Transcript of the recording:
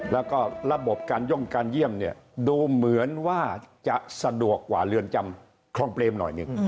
แล้วก็ระบบการย่องการเยี่ยมเนี่ยดูเหมือนว่าจะสะดวกกว่าเรือนจำคล่องเปรมหน่อยหนึ่ง